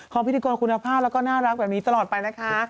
พิธีกรคุณภาพแล้วก็น่ารักแบบนี้ตลอดไปนะคะ